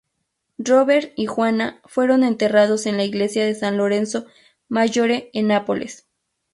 Robert y Juana fueron enterrados en la iglesia de San Lorenzo Maggiore en Nápoles.